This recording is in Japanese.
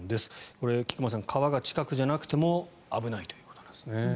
これ、菊間さん川が近くじゃなくても危ないということですね。